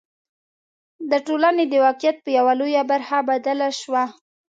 د ټولنې د واقعیت په یوه لویه برخه بدله شوه.